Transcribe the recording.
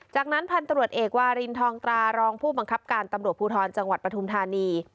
จากนั้นพันตรวจเอกวารินทองตรารองผู้บังคับการตำรวจภูทรจังหวัดปฐุมธานี